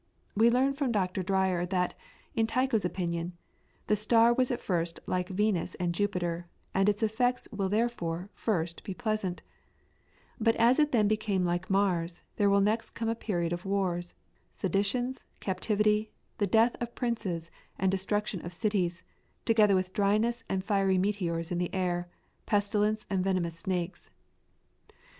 We learn from Dr. Dreyer that, in Tycho's opinion, "the star was at first like Venus and Jupiter, and its effects will therefore, first, be pleasant; but as it then became like Mars, there will next come a period of wars, seditions, captivity, and death of princes, and destruction of cities, together with dryness and fiery meteors in the air, pestilence, and venomous snakes.